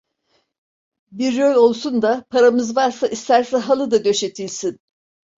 Bir yol olsun da, paramız varsa isterse halı da döşetilsin…